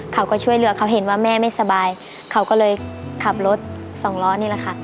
เขาก็ช่วยเหลือเขาเห็นว่าแม่ไม่สบายเขาก็เลยขับรถสองล้อนี่แหละค่ะ